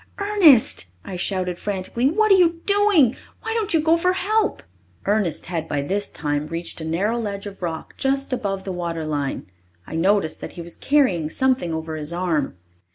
"Ernest," I shouted frantically, "what are you doing? Why don't you go for help?" Ernest had by this time reached a narrow ledge of rock just above the water line. I noticed that he was carrying something over his arm.